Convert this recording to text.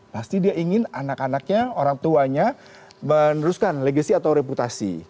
pasti dia ingin anak anaknya orang tuanya meneruskan legacy atau reputasi